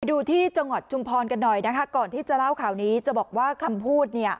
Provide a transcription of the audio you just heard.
ดูที่จังหวัดชุมพรกันหน่อยนะคะก่อนที่จะเล่าข่าวนี้จะบอกว่าคำพูดเนี่ย